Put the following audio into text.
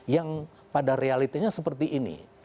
yang pada realitinya seperti ini